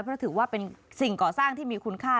เพราะถือว่าเป็นสิ่งก่อสร้างที่มีคุณค่า